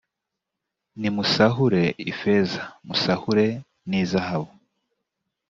nimusahure ifeza musahure n izahabu